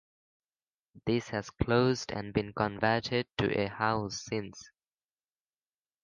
This has closed and been converted to a house since.